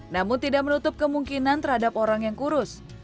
namun tidak menutup kemungkinan terhadap orang yang kurus